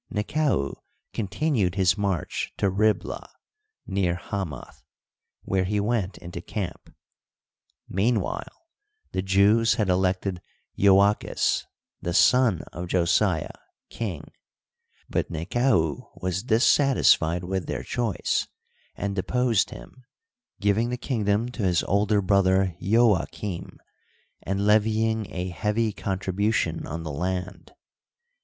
Nekau continued his march to Ribla, near Hamath, where he went into camp. Meanwhile the Jews had elected Joachas, the son of Josia, king, but Nekau was dissatisfied with their choice and deposed him, giving the kingdom to his older brother Tojaqlm, and levying a heavy contribution on the land.